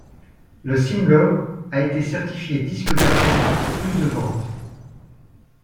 Le single a été certifié disque d'argent pour plus de ventes.